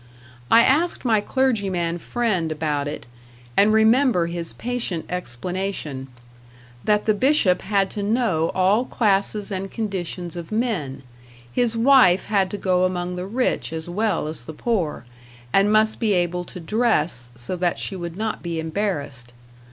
I asked my clergyman friend about it, and remember his patient explanation that the bishop had to know all classes and conditions of men: his wife had to go among the rich as well as the poor, and must be able to dress so that she would not be embarrassed.